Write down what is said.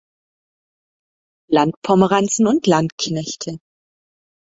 Landpomeranzen und Landknechte.